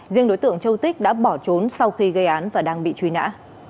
riêng đối tượng châu tích đã bỏ trốn sau khi gây án và đang bị truy nã